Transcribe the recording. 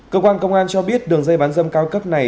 cơ quan công an cho biết đường dây bán dâm cao cấp này